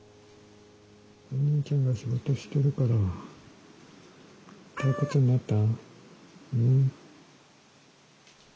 お兄ちゃんが仕事してるから退屈になった？